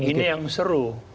ini yang seru